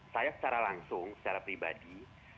saya secara langsung secara pribadi